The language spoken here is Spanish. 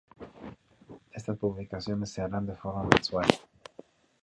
Estas publicaciones se harán de forma mensual.